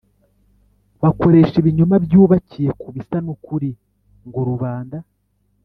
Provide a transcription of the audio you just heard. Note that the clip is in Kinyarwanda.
bakoresha ibinyoma by' ubakiye ku bisa n' ukuri ngo rubanda,